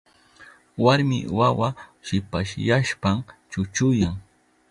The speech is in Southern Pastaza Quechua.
Warmi wawa shipasyashpan chuchuyan.